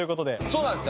そうなんです。